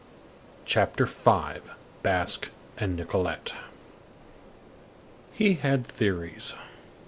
CHAPTER V—BASQUE AND NICOLETTE He had theories.